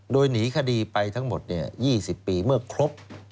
โดยหนีคดีไปทั้งหมด๒๐ปีเมื่อครบ